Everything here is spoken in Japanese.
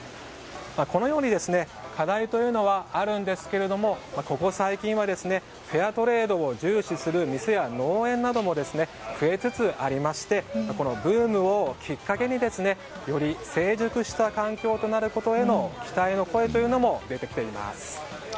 このように課題というのはあるんですけれどもここ最近はフェアトレードを重視する店や農園なども増えつつありましてこのブームをきっかけにより成熟した環境となることへの期待の声というのも出てきています。